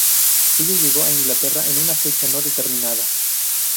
Ella llegó a Inglaterra en una fecha no determinada.